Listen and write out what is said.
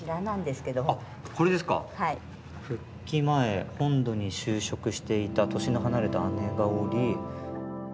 「復帰前、本土に就職していた年の離れた姉がおり」